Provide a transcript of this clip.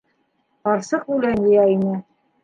Ҡарсыҡ үлән йыя ине.